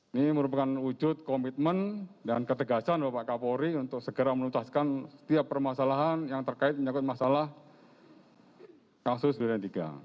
ini merupakan wujud komitmen dan ketegasan bapak kapolri untuk segera menuntaskan setiap permasalahan yang terkait menyangkut masalah kasus durian iii